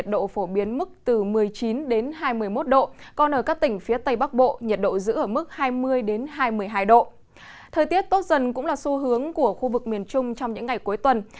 thời tiết tốt dần cũng là xu hướng của khu vực miền trung trong những ngày cuối tuần